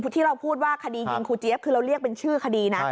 ที่เราพูดว่าคดียิงครูเจี๊ยบคือเราเรียกเป็นชื่อคดีนะ